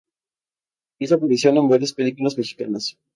Hizo aparición en varias películas mexicanas.